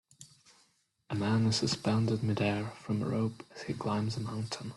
A man is suspended midair from a rope as he climbs a mountain.